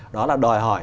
đó là đòi hỏi